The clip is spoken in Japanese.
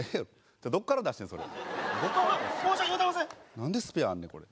何でスペアあんねんこれ。